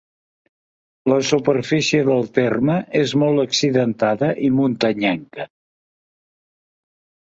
La superfície del terme és molt accidentada i muntanyenca.